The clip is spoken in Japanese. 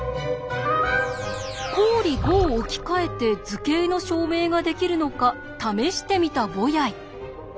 公理５を置き換えて図形の証明ができるのか試してみたボヤイ。